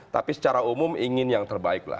tapi secara umum ingin yang terbaik lah